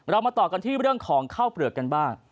มาต่อกันที่เรื่องของข้าวเปลือกกันบ้าง